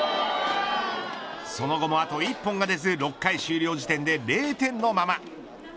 その後もあと１本が出ず６回終了時点で０点のまま。